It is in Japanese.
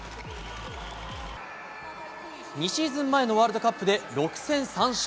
２シーズン前のワールドカップで６戦３勝。